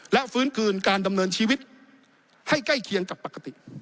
และฟื้นคืนการดำเนินชีวิตให้ใกล้เคียงกับปกติ